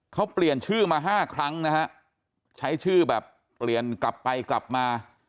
เขาเปลี่ยนชื่อมาห้าครั้งนะฮะใช้ชื่อแบบเปลี่ยนกลับไปกลับมา